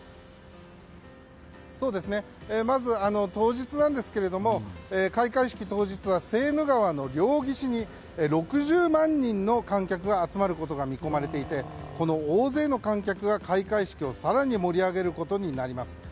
まず、当日なんですが開会式当日はセーヌ川の両岸に６０万人の観客が集まることが見込まれていてこの大勢の観客が開会式を更に盛り上げることになります。